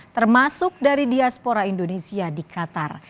termasuk dari diaspora indonesia di qatar